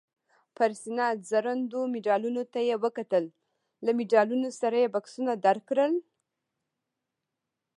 پر سینه ځوړندو مډالونو ته یې وکتل، له مډالونو سره یې بکسونه درکړل؟